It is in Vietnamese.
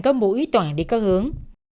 các mối tỏa đi các hướng